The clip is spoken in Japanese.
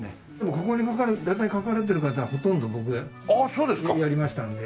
ここに描かれて大体描かれてる方はほとんど僕がやりましたんで。